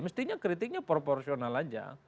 mestinya kritiknya proporsional saja